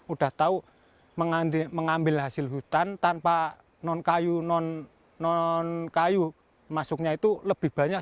udah tahu mengambil mengambil hasil hutan tanpa non kayu non non kayu masuknya itu lebih banyak